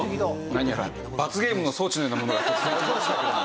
なにやら罰ゲームの装置のようなものが突然来ましたけども。